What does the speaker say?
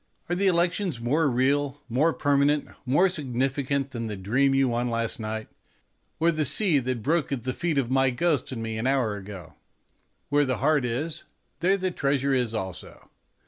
Are the elections more real, more permanent, more significant than the dream you won last night, or the sea that broke at the feet of my ghost and me an hour ago? Where the heart is, there the treasure is also.